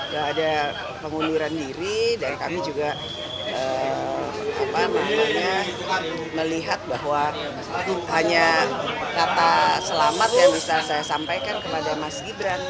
gak ada pengunduran diri dan kami juga melihat bahwa hanya kata selamat yang bisa saya sampaikan kepada mas gibran